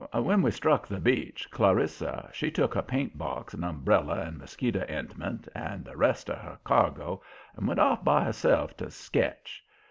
When we struck the beach, Clarissa, she took her paint box and umbrella and mosquito 'intment, and the rest of her cargo, and went off by herself to "sketch."